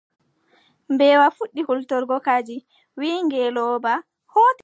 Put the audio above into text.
Mbeewa fuɗɗi hultorgo kadi, wiʼi ngeelooba: kooten wuro.